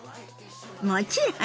もちろんよ。